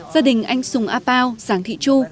gia đình anh sung a pao giàng thị chu